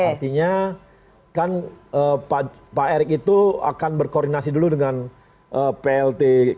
artinya kan pak erik itu akan berkoordinasi dulu dengan plt